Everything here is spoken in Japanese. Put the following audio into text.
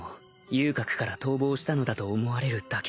遊郭から逃亡したのだと思われるだけ堝